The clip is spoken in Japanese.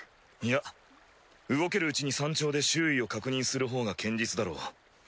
いや動けるうちに山頂で周囲を確認するほうが堅実だろう。